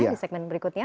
di segmen berikutnya